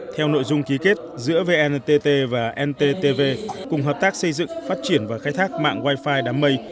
theo nội dung ký kết giữa vntt và nttv cùng hợp tác xây dựng phát triển và khai thác mạng wifi đám mây